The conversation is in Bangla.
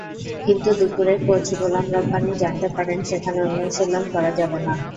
কিন্তু দুপুরে কোচ গোলাম রব্বানী জানতে পারেন, সেখানে অনুশীলন করা যাবে না।